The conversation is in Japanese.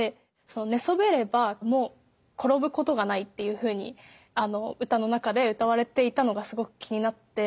その「寝そべればもう転ぶことがない」っていうふうに歌の中で歌われていたのがすごく気になって。